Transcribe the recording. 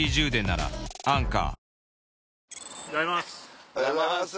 おはようございます。